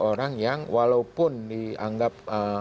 orang yang walaupun dianggap